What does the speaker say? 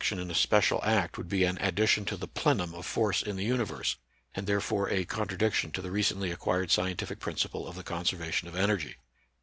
tion in a special act would be an addition to the pknum of force in the universe, and therefore a contradiction to the recently acquired scientific principle of the conservation of energy.